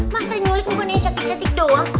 masa nyulik bukan yang cantik cantik doang